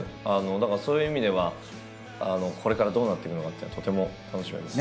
だからそういう意味ではこれからどうなっていくのかっていうのがとても楽しみです。